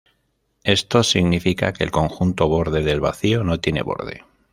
Esto significa que el conjunto borde del vacío no tiene borde.